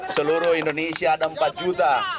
seluruh indonesia ada empat juta